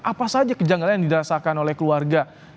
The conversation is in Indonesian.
apa saja kejanggalan yang dirasakan oleh keluarga